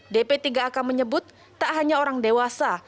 dp tiga ak menyebut tak hanya orang dewasa